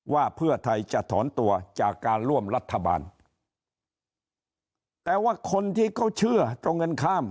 ว่าเพื่อไทยจะถอนตัวจากการร่วมรัฐบาลแต่ว่าคนที่เขาเชื่อตรงกันข้าม